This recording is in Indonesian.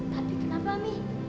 tapi kenapa mi